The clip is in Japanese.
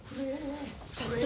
ちょっと。